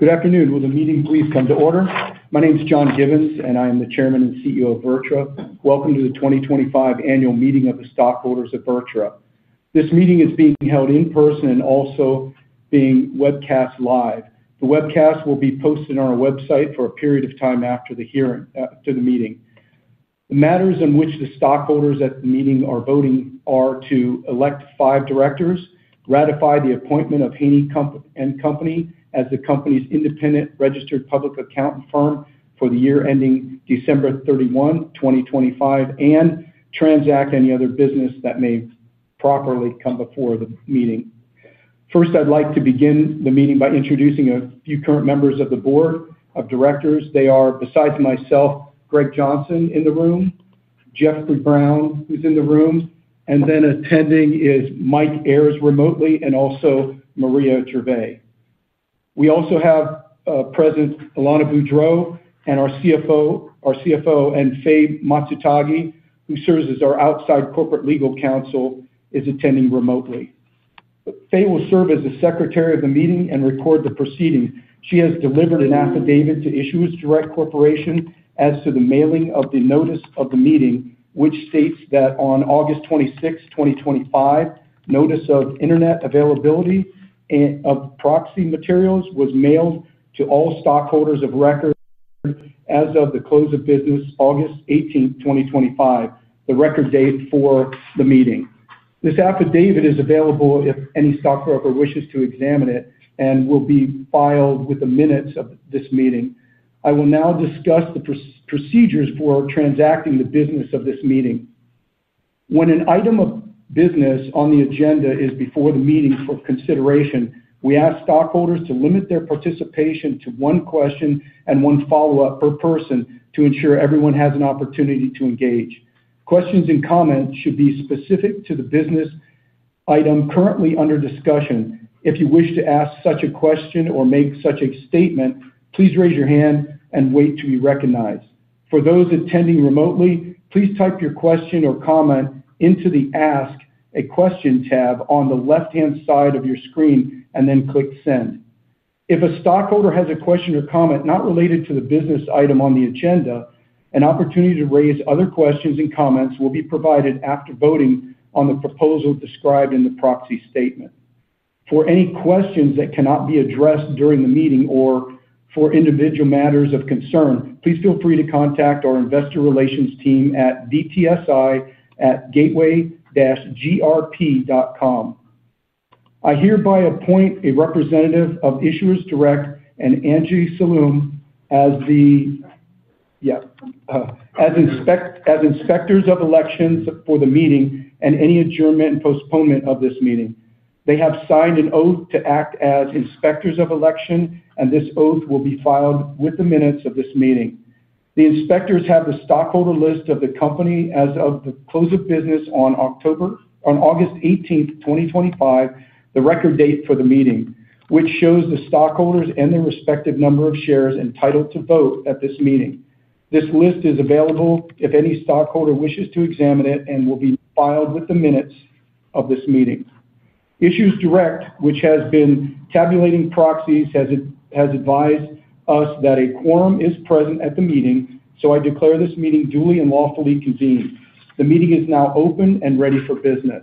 Good afternoon. Will the meeting please come to order? My name is John Givens, and I am the Chairman and CEO of VirTra. Welcome to the 2025 annual meeting of the stockholders of VirTra. This meeting is being held in person and also being webcast live. The webcast will be posted on our website for a period of time after the meeting. The matters on which the stockholders at the meeting are voting are to elect five directors, ratify the appointment of Haney & Company as the company's independent registered public accounting firm for the year ending December 31, 2025, and transact any other business that may properly come before the meeting. First, I'd like to begin the meeting by introducing a few current members of the Board of Directors. They are, besides myself, Greg Johnson in the room, Jeffrey Brown, who's in the room, and then attending is Michael Ayers remotely, and also Maria Gervais. We also have present Alanna Boudreau, our CFO, and Faye Matsutagi, who serves as our outside corporate legal counsel, is attending remotely. Faye will serve as the Secretary of the meeting and record the proceedings. She has delivered an affidavit to issue with Direct Corporation as to the mailing of the notice of the meeting, which states that on August 26, 2025, notice of internet availability and of proxy materials was mailed to all stockholders of record as of the close of business, August 18, 2025, the record date for the meeting. This affidavit is available if any stockholder wishes to examine it and will be filed with the minutes of this meeting. I will now discuss the procedures for transacting the business of this meeting. When an item of business on the agenda is before the meeting for consideration, we ask stockholders to limit their participation to one question and one follow-up per person to ensure everyone has an opportunity to engage. Questions and comments should be specific to the business item currently under discussion. If you wish to ask such a question or make such a statement, please raise your hand and wait to be recognized. For those attending remotely, please type your question or comment into the Ask a Question tab on the left-hand side of your screen and then click Send. If a stockholder has a question or comment not related to the business item on the agenda, an opportunity to raise other questions and comments will be provided after voting on the proposal described in the proxy statement. For any questions that cannot be addressed during the meeting or for individual matters of concern, please feel free to contact our investor relations team at vtsi@gateway-grp.com. I hereby appoint a representative of Issuers Direct and Angie Salloum as the inspectors of elections for the meeting and any adjournment and postponement of this meeting. They have signed an oath to act as inspectors of election, and this oath will be filed with the minutes of this meeting. The inspectors have the stockholder list of the company as of the close of business on August 18, 2025, the record date for the meeting, which shows the stockholders and their respective number of shares entitled to vote at this meeting. This list is available if any stockholder wishes to examine it and will be filed with the minutes of this meeting. Issuers Direct, which has been tabulating proxies, has advised us that a quorum is present at the meeting. So I declare this meeting duly and lawfully convened. The meeting is now open and ready for business.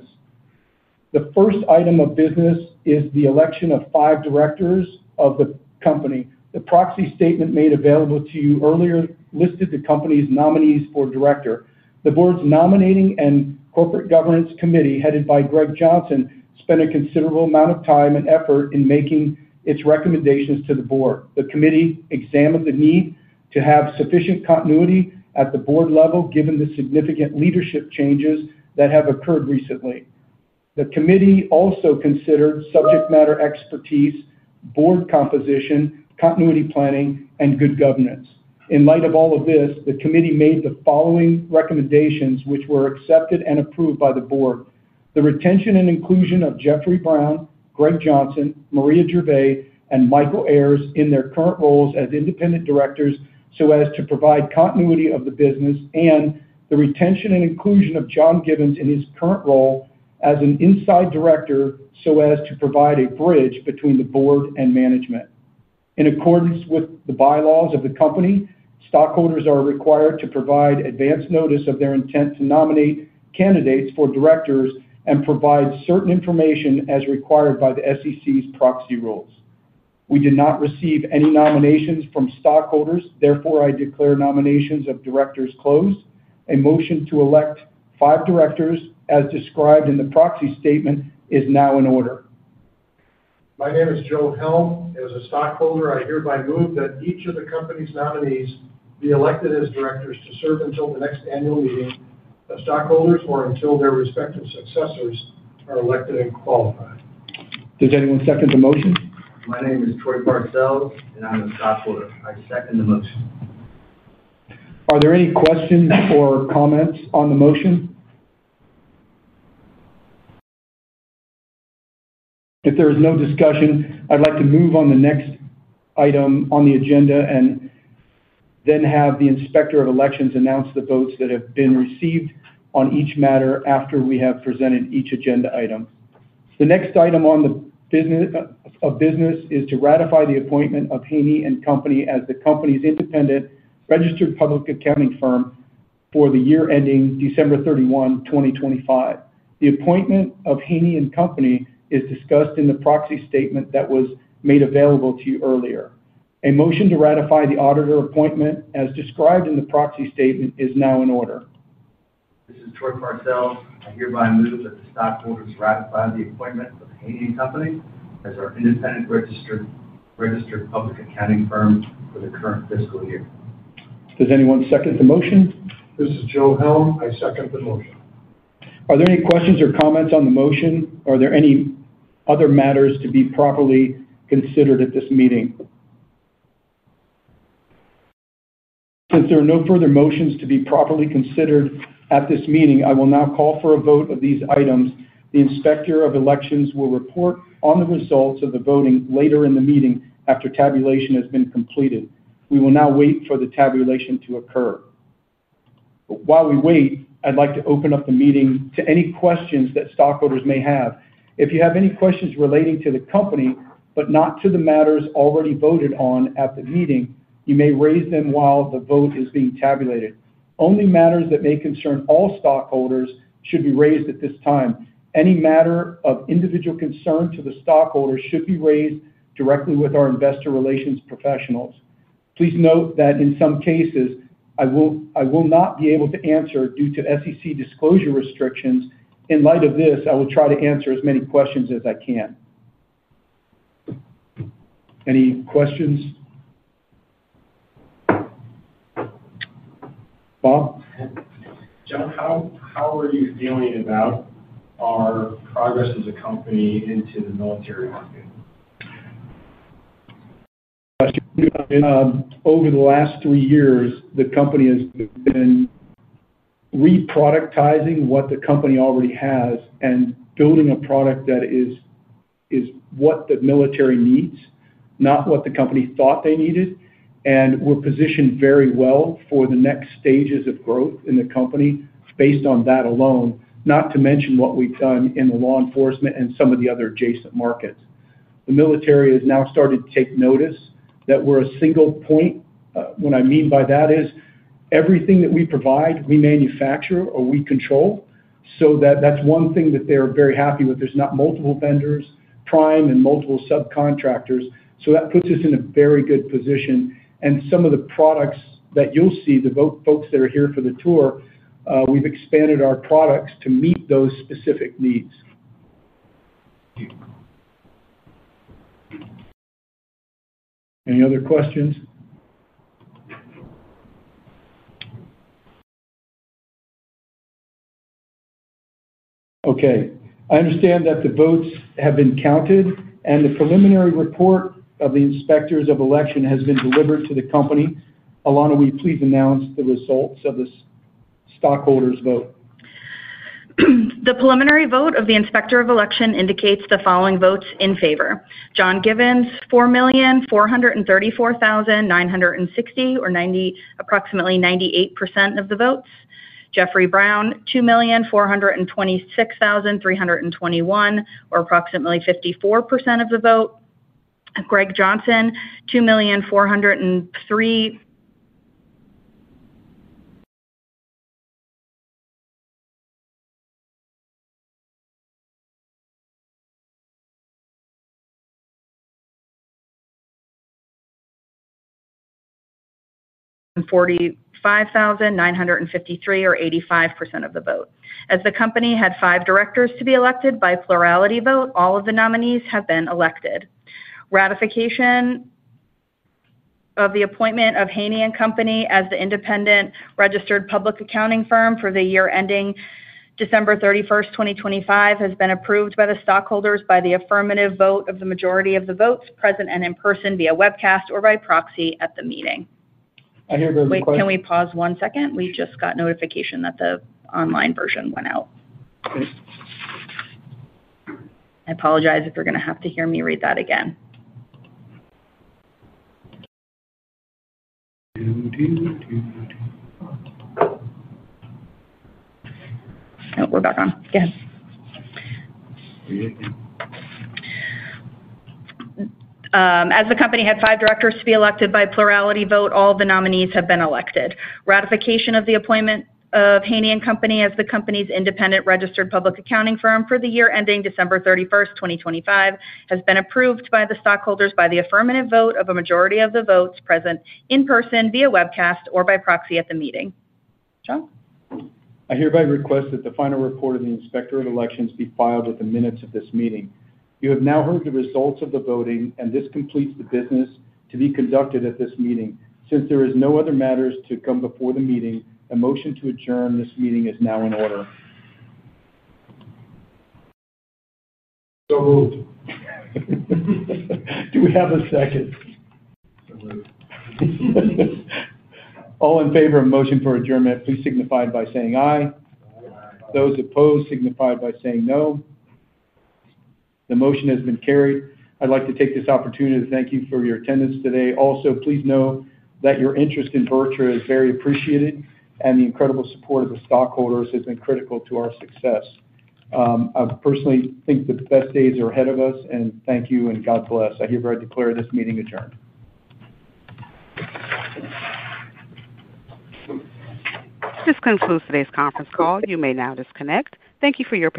The first item of business is the election of five directors of the company. The proxy statement made available to you earlier listed the company's nominees for director. The board's Nominating and Corporate Governance Committee, headed by Greg Johnson, spent a considerable amount of time and effort in making its recommendations to the board. The committee examined the need to have sufficient continuity at the board level, given the significant leadership changes that have occurred recently. The committee also considered subject matter expertise, board composition, continuity planning, and good governance. In light of all of this, the committee made the following recommendations, which were accepted and approved by the board: the retention and inclusion of Jeffrey Brown, Greg Johnson, Maria Gervais, and Michael Ayers in their current roles as independent directors, so as to provide continuity of the business, and the retention and inclusion of John Givens in his current role as an inside director, so as to provide a bridge between the board and management. In accordance with the bylaws of the company, stockholders are required to provide advance notice of their intent to nominate candidates for directors and provide certain information as required by the SEC's proxy rules. We did not receive any nominations from stockholders. Therefore, I declare nominations of directors closed. A motion to elect five directors, as described in the proxy statement, is now in order. My name is Joe Hill. As a stockholder, I hereby move that each of the company's nominees be elected as directors to serve until the next annual meeting of stockholders or until their respective successors are elected and qualified. Does anyone second the motion? My name is Troy Barcel, and I'm a stockholder. I second the motion. Are there any questions or comments on the motion? If there is no discussion, I'd like to move on to the next item on the agenda and then have the inspector of elections announce the votes that have been received on each matter after we have presented each agenda item. The next item on the business of business is to ratify the appointment of Haney & Company as the company's independent registered public accounting firm for the year ending December 31, 2025. The appointment of Haney & Company is discussed in the proxy statement that was made available to you earlier. A motion to ratify the auditor appointment, as described in the proxy statement, is now in order. This is Troy Barcel. I hereby move that the stockholders ratify the appointment of Haney & Company as our independent registered public accounting firm for the current fiscal year. Does anyone second the motion? This is Joe Hill. I second the motion. Are there any questions or comments on the motion? Are there any other matters to be properly considered at this meeting? Since there are no further motions to be properly considered at this meeting, I will now call for a vote of these items. The inspector of elections will report on the results of the voting later in the meeting after tabulation has been completed. We will now wait for the tabulation to occur. While we wait, I'd like to open up the meeting to any questions that stockholders may have. If you have any questions relating to the company, but not to the matters already voted on at the meeting, you may raise them while the vote is being tabulated. Only matters that may concern all stockholders should be raised at this time. Any matter of individual concern to the stockholders should be raised directly with our investor relations professionals. Please note that in some cases, I will not be able to answer due to SEC disclosure restrictions. In light of this, I will try to answer as many questions as I can. Any questions? Bob? John, how are you feeling about our progress as a company into the military market? Good question. Over the last three years, the company has been reproductizing what the company already has and building a product that is what the military needs, not what the company thought they needed. And we're positioned very well for the next stages of growth in the company based on that alone, not to mention what we've done in the law enforcement and some of the other adjacent markets. The military has now started to take notice that we're a single point. What I mean by that is everything that we provide, we manufacture, or we control. So that's one thing that they're very happy with. There's not multiple vendors, prime, and multiple subcontractors. So that puts us in a very good position. Some of the products that you'll see, the folks that are here for the tour, we've expanded our products to meet those specific needs. Any other questions? Okay. I understand that the votes have been counted and the preliminary report of the inspectors of election has been delivered to the company. Alanna, will you please announce the results of this stockholders' vote? The preliminary vote of the inspector of election indicates the following votes in favor. John Givens, 4,434,960, or approximately 98% of the votes, Jeffrey Brown, 2,426,321, or approximately 54% of the vote, and Greg Johnson, 2,405,953, or 85% of the vote. As the company had five directors to be elected by plurality vote, all of the nominees have been elected. Ratification of the appointment of Haney & Company as the independent registered public accounting firm for the year ending December 31, 2025, has been approved by the stockholders by the affirmative vote of the majority of the votes, present and in person via webcast or by proxy at the meeting. I hear those requests. Wait, can we pause one second? We just got notification that the online version went out. I apologize if you're going to have to hear me read that again. Oh, we're back on. Go ahead. We're here again. As the company had five directors to be elected by plurality vote, all the nominees have been elected. Ratification of the appointment of Haney & Company as the company's independent registered public accounting firm for the year ending December 31, 2025, has been approved by the stockholders by the affirmative vote of a majority of the votes, present in person via webcast or by proxy at the meeting. John? I hereby request that the final report of the inspector of elections be filed with the minutes of this meeting. You have now heard the results of the voting, and this completes the business to be conducted at this meeting. Since there are no other matters to come before the meeting, a motion to adjourn this meeting is now in order. So moved. Do we have a second? So moved. All in favor of motion for adjournment, please signify by saying aye. Aye. Those opposed, signify by saying no. The motion has been carried. I'd like to take this opportunity to thank you for your attendance today. Also, please know that your interest in VirTra is very appreciated, and the incredible support of the stockholders has been critical to our success. I personally think the best days are ahead of us. Thank you and God bless. I hereby declare this meeting adjourned. This concludes today's conference call. You may now disconnect. Thank you for your attention.